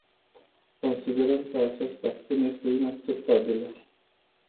Considerăm că această acțiune este inacceptabilă!